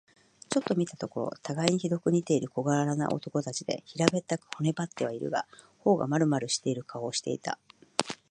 ちょっと見たところ、たがいにひどく似ている小柄な男たちで、平べったく、骨ばってはいるが、頬がまるまるしている顔をしていた。